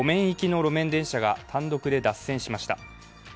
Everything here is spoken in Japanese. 行きの路面電車が単独で脱線しました。